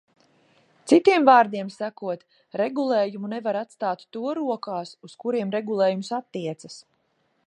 Citiem vārdiem sakot, regulējumu nevar atstāt to rokās, uz kuriem regulējums attiecas.